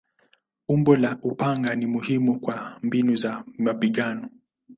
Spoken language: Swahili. Umbo la upanga ni muhimu kwa mbinu za mapigano.